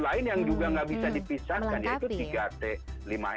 lain yang juga nggak bisa dipisahkan